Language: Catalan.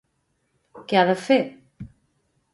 Què ha de fer?